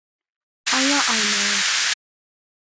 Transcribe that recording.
Ала алмайым.